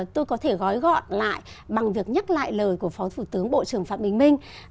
tôi có thể gói gọn lại bằng việc nhắc lại lời của phó thủ tướng bộ trưởng phạm bình minh